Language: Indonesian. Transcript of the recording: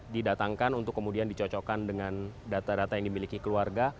didatangkan untuk kemudian dicocokkan dengan data data yang dimiliki keluarga